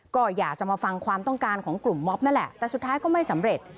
ก็อยากจะมาฟังความต้องการของกลุ่มมอบนั่นแหละแต่สุดท้ายก็ไม่สำเร็จ